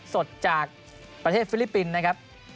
สดจากประเทศฟิลิปปินส์นะครับ